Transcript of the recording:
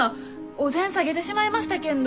お膳下げてしまいましたけんど。